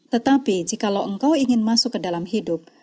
tetapi jikalau engkau ingin masuk ke dalam hidup